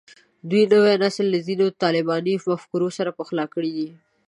دوی نوی نسل له ځینو طالباني مفکورو سره پخلا کړی دی